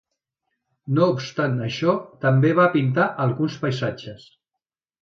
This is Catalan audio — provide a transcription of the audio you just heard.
No obstant això, també va pintar alguns paisatges.